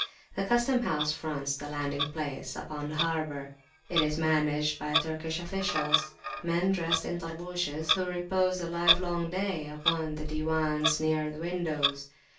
The custom house fronts the landing place upon the harbour; it is managed by Turkish officials, men dressed in Tarbushes, who repose the livelong day upon the Diwans near the windows.